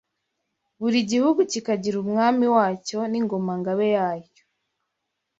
buri gihugu kikagira Umwami wacyo n’Ingoma–Ngabe yacyo